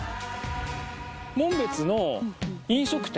紋別の飲食店